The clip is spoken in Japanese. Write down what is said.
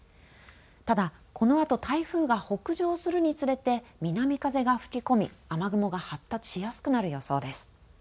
ただ、このあと台風が北上するにつれて南風が吹き込み、雨雲が発達しやすくなる予想です。